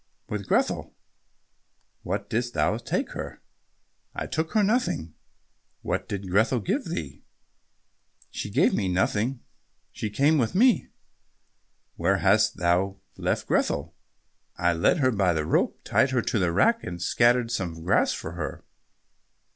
"With Grethel." "What didst thou take her?" "I took her nothing." "What did Grethel give thee?" "She gave me nothing, she came with me." "Where hast thou left Grethel?" "I led her by the rope, tied her to the rack, and scattered some grass for her."